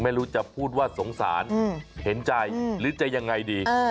ไม่รู้จะพูดว่าสงสารเห็นใจหรือจะยังไงดี